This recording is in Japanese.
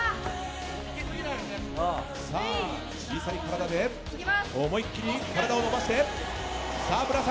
小さい体で思い切り体を伸ばして。